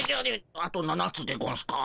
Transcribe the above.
あと７つでゴンスか。